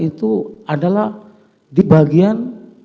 itu adalah di bagian